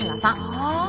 ああ。